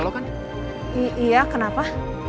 lagi ada apa